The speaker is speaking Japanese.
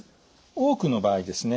多くの場合ですね